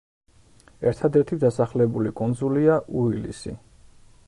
ერთადერთი დასახლებული კუნძულია უილისი.